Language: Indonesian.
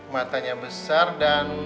matanya besar dan